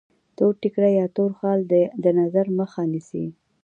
تور ټیکری یا تور خال د نظر مخه نیسي.